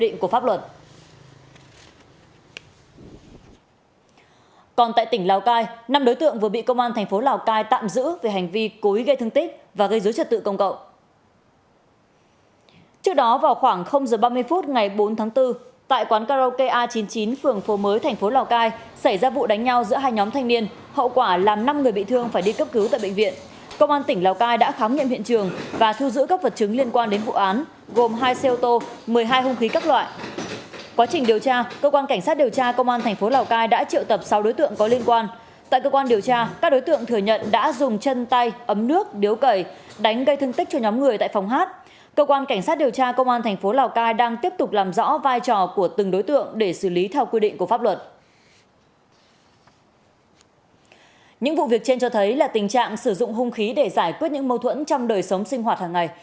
những vụ việc trên cho thấy là tình trạng sử dụng hung khí để giải quyết những mâu thuẫn trong đời sống sinh hoạt hàng ngày